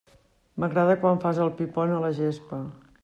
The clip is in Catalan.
M'agrada quan fas el pi pont a la gespa.